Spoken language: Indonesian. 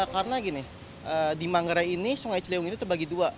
karena di manggarai ini sungai ciliwung terbagi dua